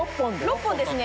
６本ですね。